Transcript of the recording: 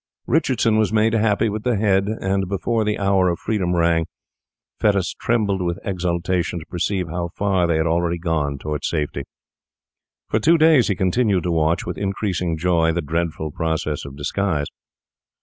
Richardson was made happy with the head; and before the hour of freedom rang Fettes trembled with exultation to perceive how far they had already gone toward safety. For two days he continued to watch, with increasing joy, the dreadful process of disguise.